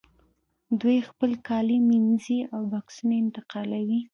دوی خپل کالي مینځي او بکسونه انتقالوي